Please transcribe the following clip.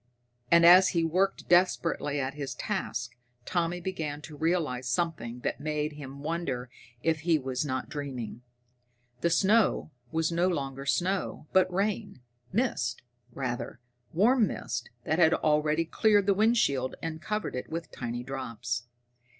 And as he worked desperately at his task Tommy began to realize something that made him wonder if he was not dreaming. The snow was no longer snow, but rain mist, rather, warm mist that had already cleared the windshield and covered it with tiny drops.